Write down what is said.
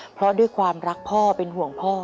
เพราะด้วยความรักพ่อเป็นห่วงพ่อ